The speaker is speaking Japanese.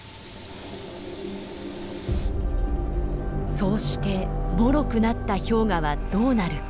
そうしてもろくなった氷河はどうなるか。